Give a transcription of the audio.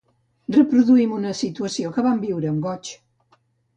Reproduïm una situació que vam viure amb goig.